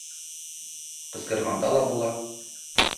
— Ҡысҡырғанда ла була